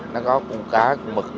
nó có cuốn cá cuốn mực